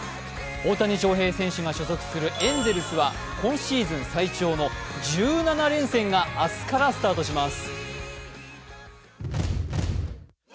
大谷翔平選手が所属するエンゼルスは今シーズン最長の１７連戦が明日からスタートします。